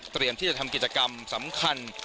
เตรียมที่จะทำกิจกรรมสำคัญ